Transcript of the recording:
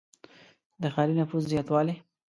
• د ښاري نفوس زیاتوالی.